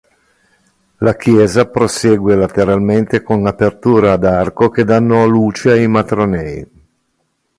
La chiesa prosegue lateralmente con apertura ad arco che danno luce ai matronei.